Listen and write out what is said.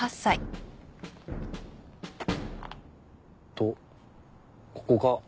とここか。